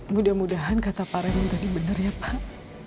mudah mudahan kata pareng tadi bener ya pak